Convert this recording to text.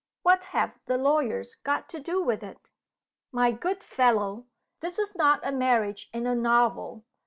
"What have the lawyers got to do with it?" "My good fellow, this is not a marriage in a novel!